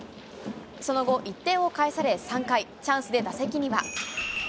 その後、１点を返され、３回、チャンスで打席には。